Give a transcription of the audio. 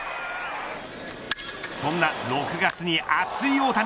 そんな６月にアツい大谷。